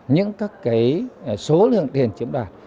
những các cái số lượng tiền chiếm đạt